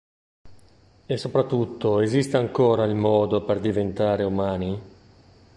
E soprattutto esiste ancora il modo per diventare umani?